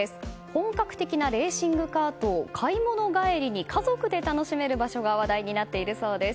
本格的なレーシングカートを買い物帰りに家族で楽しめる場所が話題になっているそうです。